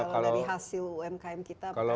kalau dari hasil umkm kita